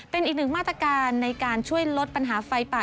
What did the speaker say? เป็นอีกหนึ่งมาตรการในการช่วยลดปัญหาไฟป่า